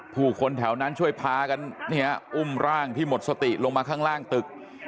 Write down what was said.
ผู้คนแถวนั้นช่วยพากันอุ้มร่างที่หมดสติลงมาข้างล่างตึก